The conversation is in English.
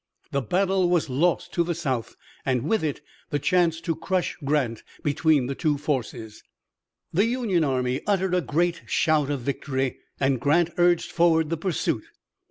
The battle was lost to the South, and with it the chance to crush Grant between two forces. The Union army uttered a great shout of victory, and Grant urged forward the pursuit.